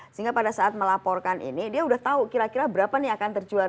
sehingga pada saat melaporkan ini dia udah tahu kira kira berapa nih akan terjual